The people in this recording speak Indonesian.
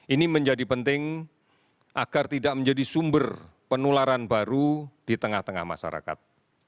ini menjadi penting agar tidak menjadi sumber penularan baru di tengah tengah masyarakat